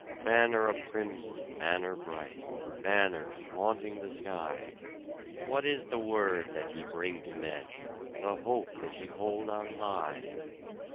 Banner of crimson, banner bright, banner flaunting the sky! What is the word that ye bring to men, the hope that ye hold on high?